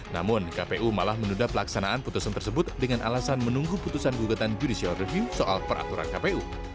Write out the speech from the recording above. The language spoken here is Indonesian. namun kpu malah menunda pelaksanaan putusan tersebut dengan alasan menunggu putusan gugatan judicial review soal peraturan kpu